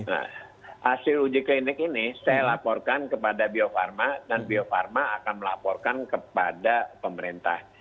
nah hasil uji klinik ini saya laporkan kepada bio farma dan bio farma akan melaporkan kepada pemerintah